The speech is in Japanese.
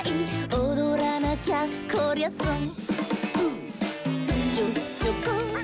「おどらなきゃこりゃソン」ウ！